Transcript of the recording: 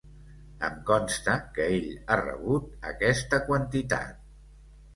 Em consta que ell ha rebut aquesta quantitat.